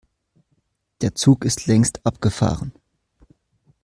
Der Zug ist längst abgefahren.